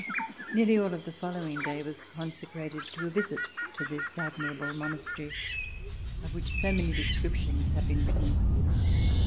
Nearly all of the following day was consecrated to a visit to this admirable monastery, of which so many descriptions have been written.